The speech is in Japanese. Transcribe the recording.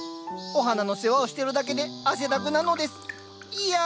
お花の世話をしてるだけで汗だくなのですいや